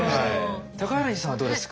高柳さんはどうですか？